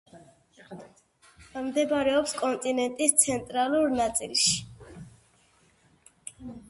მდებარეობს კონტინენტის ცენტრალურ ნაწილში.